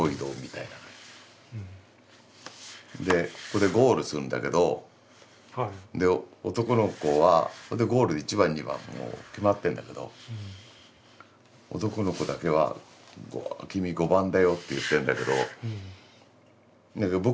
でここでゴールするんだけどで男の子はゴール１番２番もう決まってんだけど男の子だけは「君５番だよ」って言ってんだけどだけど僕はまだまだ駆ける。